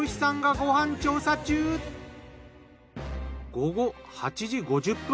午後８時５０分。